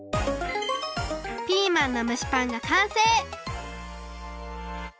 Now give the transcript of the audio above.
ピーマンのむしパンがかんせい！